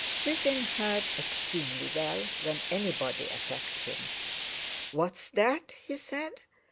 Swithin heard extremely well when anybody attacked him. "What's that?" he said.